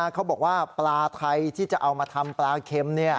เขาบอกว่าปลาไทยที่จะเอามาทำปลาเค็ม